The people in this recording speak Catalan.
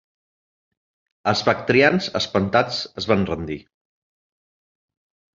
Els bactrians, espantats, es van rendir.